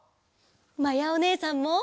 まやおねえさんも！